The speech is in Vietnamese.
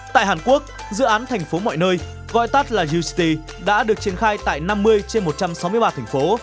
tại hàn quốc dự án thành phố mọi nơi gọi tắt là uste đã được triển khai tại năm mươi trên một trăm sáu mươi ba thành phố